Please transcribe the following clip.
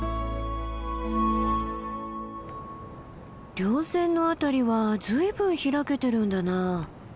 稜線の辺りは随分開けてるんだな。